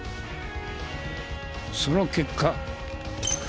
その結果。